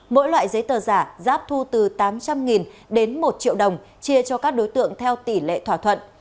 mỗi loại giấy tờ giả giáp thu từ tám trăm linh đến một triệu đồng chia cho các đối tượng theo tỷ lệ thỏa thuận